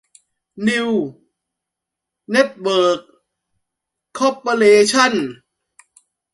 นิวส์ เน็ตเวิร์ค คอร์ปอเรชั่น